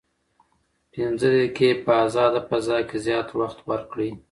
پنځه دقیقې په ازاده فضا کې زیات وخت ورکړئ.